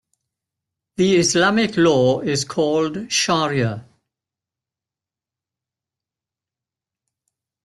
The Islamic law is called shariah.